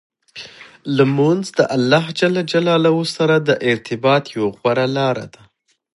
لمونځ د الله جل جلاله سره د ارتباط یوه غوره لار ده.